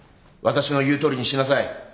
私の言うとおりにしなさい。